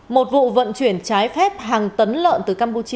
một vụ vận chuyển trái phép hàng tấn lợn từ campuchia